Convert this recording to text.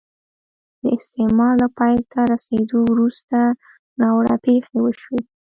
د استعمار له پای ته رسېدو وروسته ناوړه پېښې وشوې.